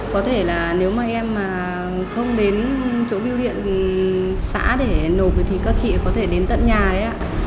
có thể là nếu mà em mà không đến chỗ biêu điện xã để nộp thì các chị có thể đến tận nhà đấy ạ